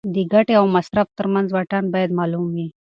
د ګټې او مصرف ترمنځ واټن باید معلوم وي.